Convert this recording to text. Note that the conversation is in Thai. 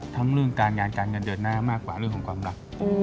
เรื่องการงานการเงินเดือนหน้ามากกว่าเรื่องของความรัก